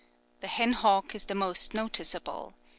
The hen hawk is the most noticeable.